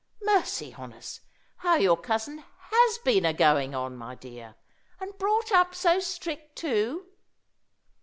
Mercy on us, how your cousin has been a going on, my dear! And brought up so strict too!"